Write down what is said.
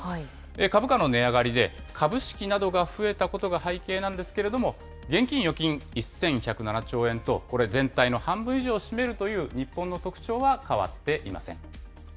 株価の値上がりで、株式などが増えたことが背景なんですけれども、現金・預金１１０７兆円と、これ、全体の半分以上を占めるという日本の特徴は変わっていません。